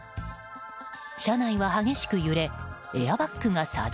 車内は激しく揺れエアバッグが作動。